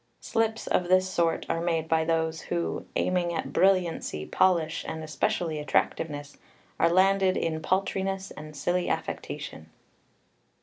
Slips of this sort are made by those who, aiming at brilliancy, polish, and especially attractiveness, are landed in paltriness and silly affectation.